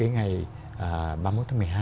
ngày ba mươi một tháng một mươi hai